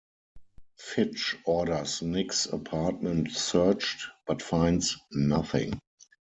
Fitch orders Nick's apartment searched, but finds nothing.